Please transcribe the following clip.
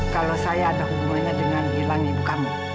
kalau saya ada hubungannya dengan hilang ibu kamu